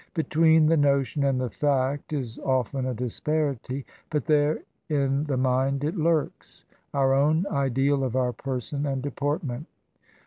Between the notion and the fact is often a disparity, but there in the mind it lurks — our own ideal of our person and deport ment.